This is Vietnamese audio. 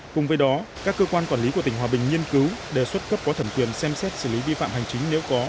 cùng với đó các cơ quan quản lý của tỉnh hòa bình nghiên cứu đề xuất cấp có thẩm quyền xem xét xử lý vi phạm hành chính nếu có